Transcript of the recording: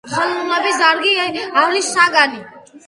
ხელოვნების დარგი არის საგანი